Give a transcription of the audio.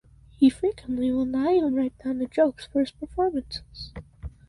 He frequently will not even write down the jokes for his performances.